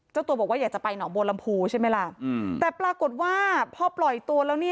เจ้าตัวบอกว่าอยากจะไปหนองบัวลำพูใช่ไหมล่ะแต่ปรากฏว่าพอปล่อยตัวแล้ว